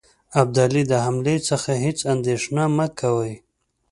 ابدالي د حملې څخه هیڅ اندېښنه مه کوی.